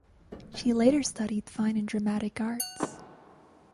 She later studied fine and dramatic arts.